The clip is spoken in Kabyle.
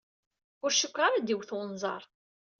Ur cikkeɣ ara ad d-iwet unẓar.